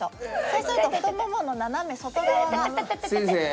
そうすると太ももの斜め外側が。